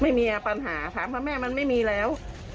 ไม่มีปัญหาถามพ่อแม่มันไม่มีแล้ว